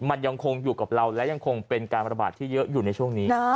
มันยังคงอยู่กับเราและยังคงเป็นการระบาดที่เยอะอยู่ในช่วงนี้